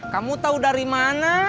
kamu tau dari mana